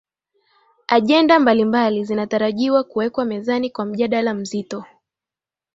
agenda mbalimbali zinatarajiwa kuwekwa mezani kwa mjadala mzito